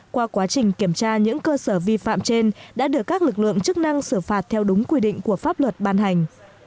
qua quá trình kiểm tra những cơ sở vi phạm trên đã được các lực lượng chức năng xử phạt theo đúng quy định của pháp luật ban hành